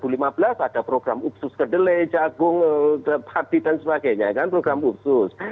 pemerintah saat ini yang tahun dua ribu lima belas ada program upsus kedele jagung padi dan sebagainya kan program upsus